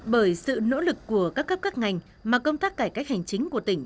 bởi sự nỗ lực của các cấp các ngành mà công tác cải cách hành chính của tỉnh